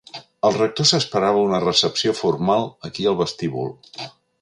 El rector s'esperava una recepció formal aquí al vestíbul.